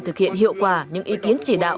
thực hiện hiệu quả những ý kiến chỉ đạo